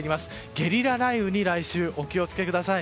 ゲリラ雷雨に来週お気を付けください。